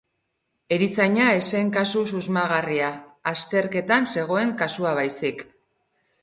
Erizaina ez zen kasu susmagarria, azterketan zegoen kasua baizik.